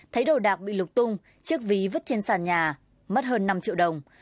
thấy đồ đạc bị lục tung chiếc ví vứt trên sàn nhà mất hơn năm triệu đồng